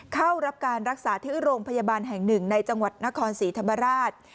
เข้ารับการรักษาที่โรงพยาบาลแห่งหนึ่งในจังหวัดนครศรีธรรมราช